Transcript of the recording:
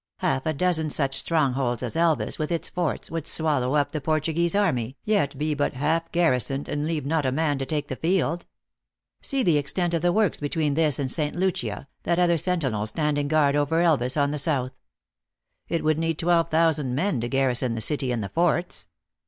Half a dozen such strongholds as Elvas, with its forts, would swallow up the Portuguese army, yet be but half garrisoned, and leave not a man to take the field. See the extent of the works between this and St. Lucia, that other sentinel standing guard over Elvas on the south. It would need twelve thousand men to garrison the city and the forts.